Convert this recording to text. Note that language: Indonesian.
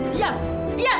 diam diam kamu